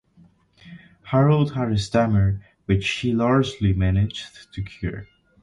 Harold had a stammer which he largely managed to cure.